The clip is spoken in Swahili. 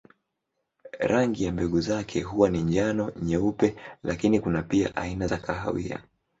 Rangi ya mbegu zake huwa ni njano, nyeupe lakini kuna pia aina za kahawia.